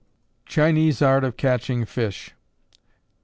_Chinese Art of Catching Fish.